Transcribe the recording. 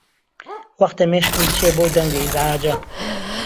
وەختە مێشکم بچێ بەو دەنگە ئیزعاجە.